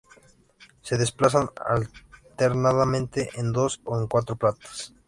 Se desplazaba alternadamente en dos o en cuatro patas.